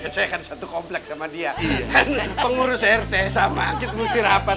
saya kan satu komplek sama dia pengurus rt sama kita mesti rapat